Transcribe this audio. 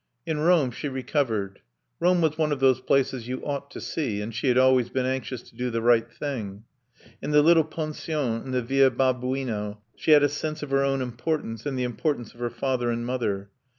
In Rome she recovered. Rome was one of those places you ought to see; she had always been anxious to do the right thing. In the little Pension in the Via Babuino she had a sense of her own importance and the importance of her father and mother.